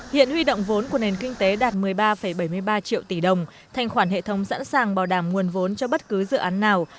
hiện huy động vốn của nền kinh tế đạt một mươi ba bảy mươi ba triệu tỷ đồng thành khoản hệ thống sẵn sàng bảo đảm nguồn vốn cho bất cứ dự án nào